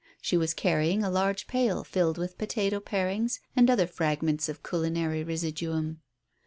She was carrying a large pail filled with potato parings and other fragments of culinary residuum.